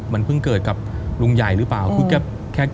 มันเพิ่งเกิดกับลุงใหญ่หรือเปล่า